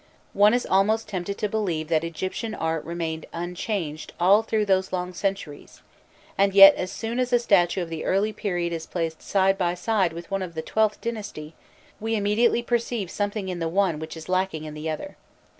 One is almost tempted to believe that Egyptian art remained unchanged all through those long centuries, and yet as soon as a statue of the early period is placed side by side with one of the XIIth dynasty, we immediately perceive something in the one which is lacking in the other.